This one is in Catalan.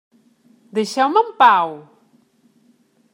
Deixeu-me en pau!